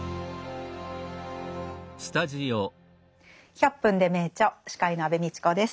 「１００分ｄｅ名著」司会の安部みちこです。